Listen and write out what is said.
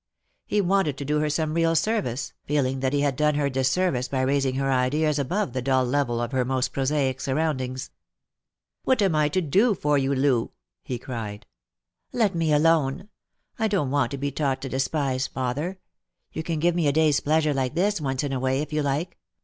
He wanted to do her some real service, feeling that he had done her disservice by raising her ideas above the dull level of her most prosaic surroundings. " What am I to do for you, Loo ?" he cried. " Let me alone. I don't want to be taught to despise father. You can give me a day's pleasure like this, once in a way, if you like.